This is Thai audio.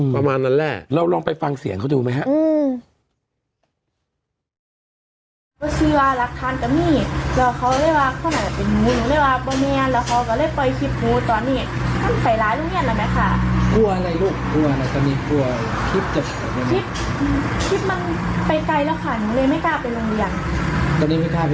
ประมาณนั้นแหละเราลองไปฟังเสียงเขาดูไหมครับ